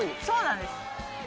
そうなんです。